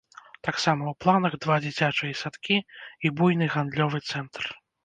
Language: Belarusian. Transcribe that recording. Таксама ў планах два дзіцячыя садкі і буйны гандлёвы цэнтр.